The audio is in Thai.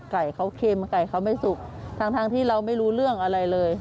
ไก่เขาเค็มไก่เขาไม่สุกทั้งที่เราไม่รู้เรื่องอะไรเลย